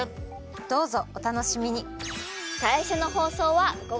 どうぞおたのしみに！